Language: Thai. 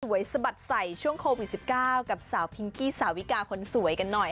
สะบัดใส่ช่วงโควิด๑๙กับสาวพิงกี้สาวิกาคนสวยกันหน่อย